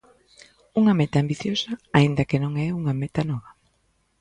Unha meta ambiciosa, aínda que non é unha meta nova.